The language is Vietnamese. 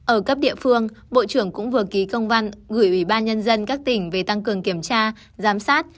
ở cấp địa phương bộ trưởng cũng vừa ký công văn gửi ủy ban nhân dân các tỉnh về tăng cường kiểm tra giám sát